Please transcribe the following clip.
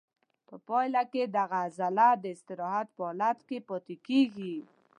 په پایله کې دغه عضله د استراحت په حالت کې پاتې کېږي.